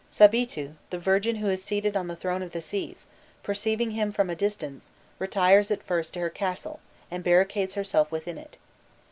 "Sabitu, the virgin who is seated on the throne of the seas," perceiving him from a distance, retires at first to her castle, and barricades herself within it.